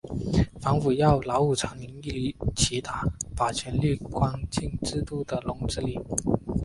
反腐要老虎、苍蝇一起打，把权力关进制度的笼子里。